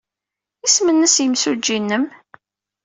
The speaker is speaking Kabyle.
Isem-nnes yimsujji-nnem?